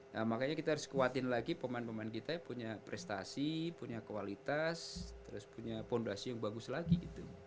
nah makanya kita harus kuatin lagi pemain pemain kita yang punya prestasi punya kualitas terus punya fondasi yang bagus lagi gitu